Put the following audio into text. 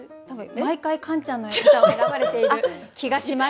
毎回カンちゃんの歌を選ばれている気がします。